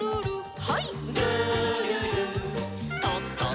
はい。